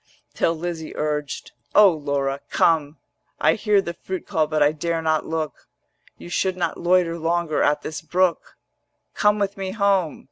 Till Lizzie urged, 'O Laura, come; I hear the fruit call but I dare not look: You should not loiter longer at this brook: Come with me home.